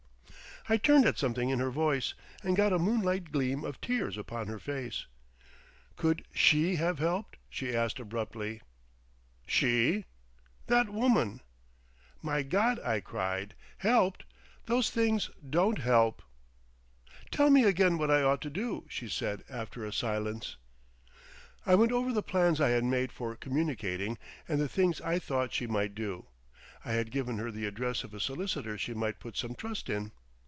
I turned at something in her voice, and got a moon light gleam of tears upon her face. "Could she have helped?" she asked abruptly. "She?" "That woman." "My God!" I cried, "helped! Those—things don't help!" "Tell me again what I ought to do," she said after a silence. I went over the plans I had made for communicating, and the things I thought she might do. I had given her the address of a solicitor she might put some trust in.